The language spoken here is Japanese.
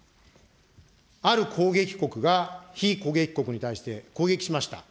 ある攻撃国が、非攻撃国に対して攻撃しました。